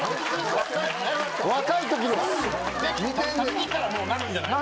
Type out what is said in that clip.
食べきったらもうなるんじゃない？